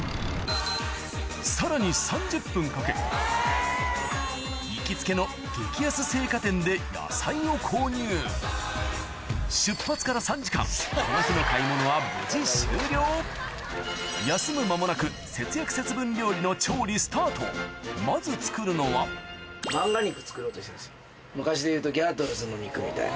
さらに３０分かけ行きつけの激安青果店で野菜を購入出発から３時間この日の買い物は無事終了休む間もなく節約節分料理の調理スタートまず作るのは昔でいうと『ギャートルズ』の肉みたいな。